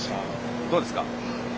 どうですか。